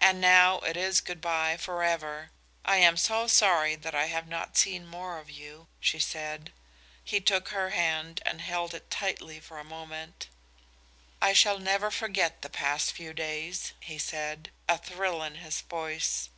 "And now it is good by forever. I am so sorry that I have not seen more of you," she said. He took her hand and held it tightly for a moment. "I shall never forget the past few days," he said, a thrill in his voice.